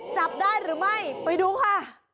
จับได้หรือไม่ไปดูค่ะ